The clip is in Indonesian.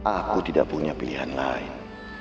aku tidak punya pilihan lain